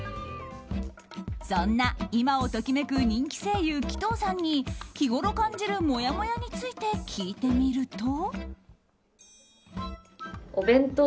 そんな、今を時めく人気声優鬼頭さんに日ごろ感じるもやもやについて聞いてみると。